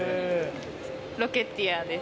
ロケティアです。